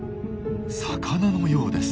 魚のようです。